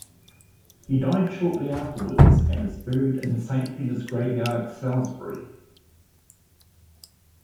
He died shortly afterwards and is buried in Saint Peter's graveyard Salesbury.